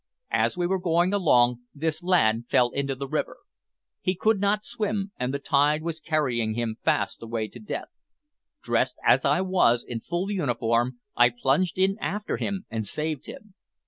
As we were going along, this lad fell into the river. He could not swim, and the tide was carrying him fast away to death. Dressed as I was, in full uniform, I plunged in after him and saved him.